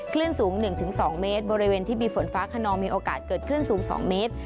คลื่นสูงหนึ่งถึงสองเมตรบริเวณที่มีฝนฟ้าขนองมีโอกาสเกิดคลื่นสูงสองเมตร